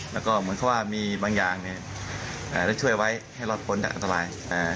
แล้วก็เหมือนเค้าว่ามีบางอย่างที่ช่วยไว้ที่เราปนอันตราย